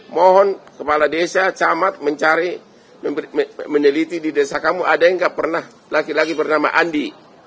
mohon kepala desa camat mencari meneliti di desa kamu ada yang nggak pernah laki laki bernama andi